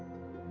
aku mau makan